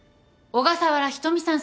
小笠原仁美さん